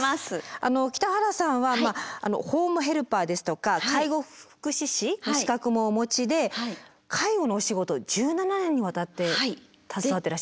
北原さんはホームヘルパーですとか介護福祉士の資格もお持ちで介護のお仕事を１７年にわたって携わっていらっしゃるんですね。